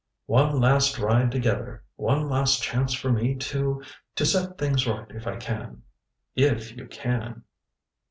"One last ride together. One last chance for me to to set things right if I can." "If you can."